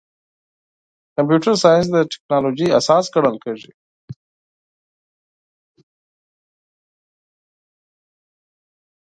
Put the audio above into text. کمپیوټر ساینس د ټکنالوژۍ اساس ګڼل کېږي.